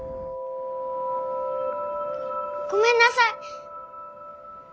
ごめんなさい！